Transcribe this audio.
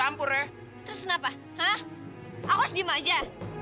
aku harus diam aja